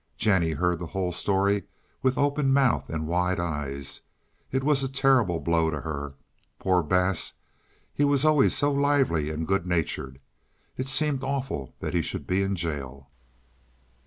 Jennie heard the whole story with open mouth and wide eyes. It was a terrible blow to her. Poor Bass! He was always so lively and good natured. It seemed awful that he should be in jail.